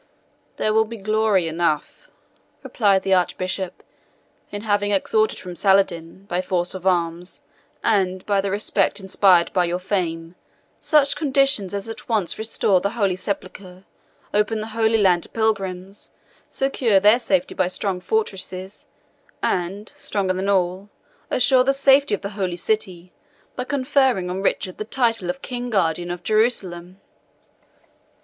"There will be glory enough," replied the Archbishop, "in having extorted from Saladin, by force of arms, and by the respect inspired by your fame, such conditions as at once restore the Holy Sepulchre, open the Holy Land to pilgrims, secure their safety by strong fortresses, and, stronger than all, assure the safety of the Holy City, by conferring on Richard the title of King Guardian of Jerusalem."